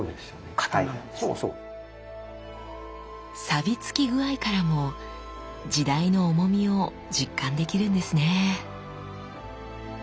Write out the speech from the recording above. サビつき具合からも時代の重みを実感できるんですねぇ。